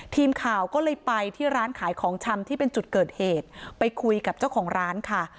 ทีมข่าวก็เลยไปที่ร้านขายของชำที่เป็นจุดเกิดเหตุไปคุยกับเจ้าของร้านค่ะ